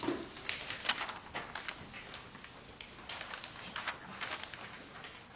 ありがとうございます。